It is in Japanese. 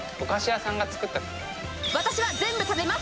私は全部食べます。